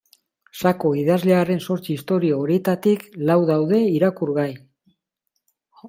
Sako idazlearen zortzi istorio horietarik lau daude irakurgai.